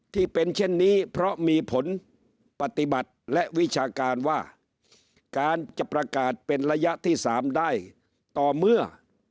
ที่เป็นเช่นนี้เพราะมีผลปฏิบัติและวิชาการว่าการจะประกาศเป็นระยะที่๓ได้ต่อเมื่อ